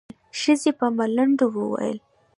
ښځې په ملنډو وويل.